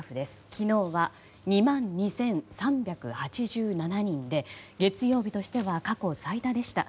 昨日は２万２３８７人で月曜日としては過去最多でした。